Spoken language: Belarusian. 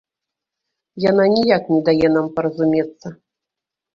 Яна ніяк не дае нам паразумецца.